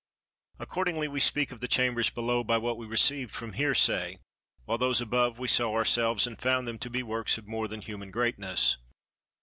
Accordingly we speak of the chambers below by what we received from hearsay, while those above we saw ourselves and found them to be works of more than human greatness.